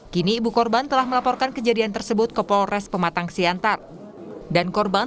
kini ibu korban telah melaporkan kejadian tersebut ke polres pematang siantar dan korban